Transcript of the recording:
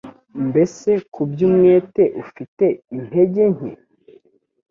Mbese ku by'umwete ufite intege nke?